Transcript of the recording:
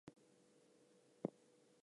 Well, for one, this is just the story setup.